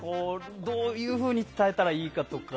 どういうふうに伝えたらいいのかとか。